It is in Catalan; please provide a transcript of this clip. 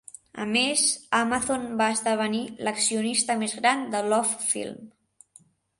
A més, Amazon va esdevenir l"accionista més gran de LoveFilm.